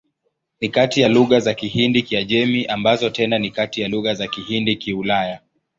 Ni kati ya lugha za Kihindi-Kiajemi, ambazo tena ni kati ya lugha za Kihindi-Kiulaya.